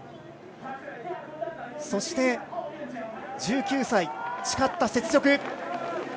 そして１９歳、誓った雪辱。